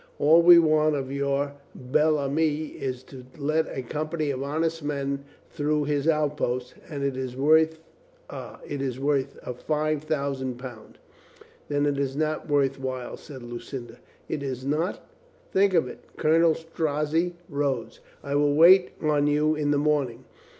All we want of your bel ami, is to let a company of honest men through his outposts. And it is worth — ah — it is worth a five thousand pound." "Then it is not worth while," said Lucinda. "Is it not? Think of it." Colonel Strozzi rose. "I will wait on you in the morning.